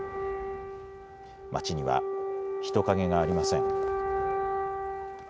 街には人影がありません。